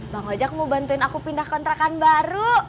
bang ajak mau bantuin aku pindah kontrakan baru